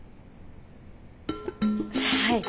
はい。